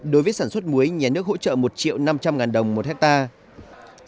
đối với sản xuất muối nhà nước hỗ trợ một triệu năm trăm linh ngàn đồng một hectare